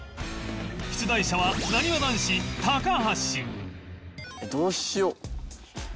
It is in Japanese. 出題者はなにわ男子どうしよう。